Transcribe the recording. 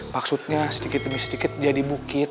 maksudnya sedikit demi sedikit jadi bukit